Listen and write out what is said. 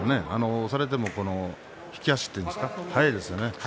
押されても引き足というんでしょうか、速いですね。